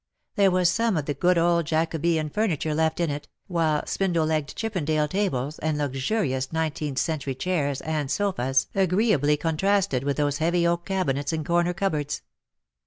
There was some of the good old Jacobean furniture left in it, while spindle legged Chippendale tables and luxurious nineteenth century chairs and sofas agreeably contrasted with those heavy oak cabinets and corner cupboards.